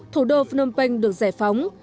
thủ đô phnom penh được giải phóng